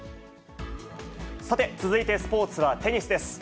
さて、続いてスポーツはテニスです。